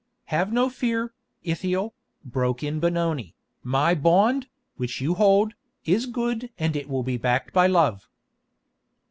"Have no fear, Ithiel," broke in Benoni, "my bond, which you hold, is good and it will be backed by love."